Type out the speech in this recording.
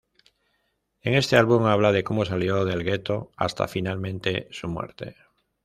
En este álbum habla de como salió del ghetto hasta finalmente su muerte.